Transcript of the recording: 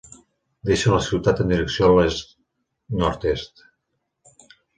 Deixa la ciutat en direcció a l'est nord-est.